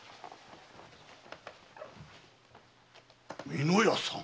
美濃屋さん！